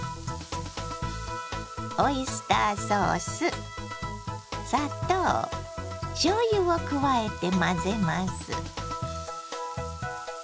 オイスターソース砂糖しょうゆを加えて混ぜます。